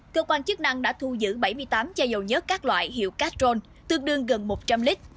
cơ quan chức năng đã thu giữ bảy mươi tám chai dầu nhớt các loại hiệu catron tương đương gần một trăm linh lít